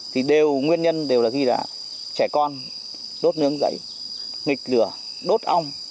thì đều nguyên nhân đều là khi là trẻ con đốt nướng giấy nghịch lửa đốt ong